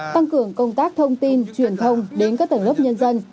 tăng cường công tác thông tin truyền thông đến các tầng lớp nhân dân